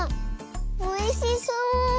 おいしそう！